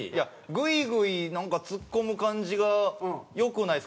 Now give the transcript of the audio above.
グイグイツッコむ感じがよくないですか？